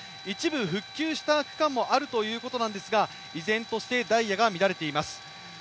一部、復旧した区間もあるということですが依然としてダイヤが乱れています。